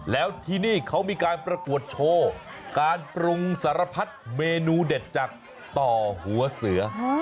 แล้วที่นี่เขามีการประกวดโชว์การปรุงสารพัดเมนูเด็ดจากต่อหัวเสือ